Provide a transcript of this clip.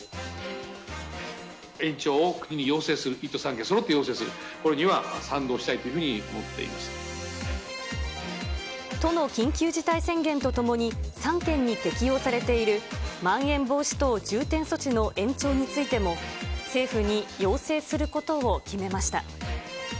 延長を国に要請する、１都３県そろって要請する、これには賛同したいというふうに都の緊急事態宣言とともに、３県に適用されているまん延防止等重点措置の延長についても、政府に要請することを決めました。